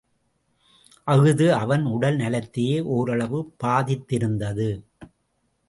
அஃது அவன் உடல் நலத்தையே ஓரளவு பாதித்திருந்தது.